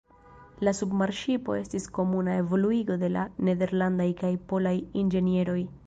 La submarŝipo estis komuna evoluigo de la nederlandaj kaj polaj inĝenieroj.